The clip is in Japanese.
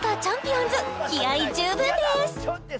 おんず気合い十分です